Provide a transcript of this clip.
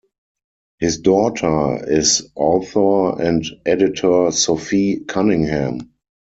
His daughter is author and editor Sophie Cunningham.